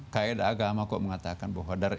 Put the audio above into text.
kaedah agama kok mengatakan bahwa